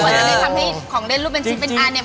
อาจจะได้ทำให้ของเล่นรูปเป็นชิ้นเป็นอาร์เนี่ย